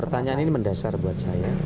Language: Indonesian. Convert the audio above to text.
pertanyaan ini mendasar buat saya